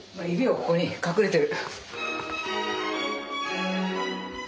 ここに隠れてる。